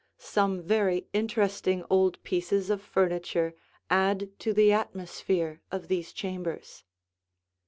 Some very interesting old pieces of furniture add to the atmosphere of these chambers.